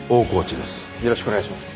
よろしくお願いします。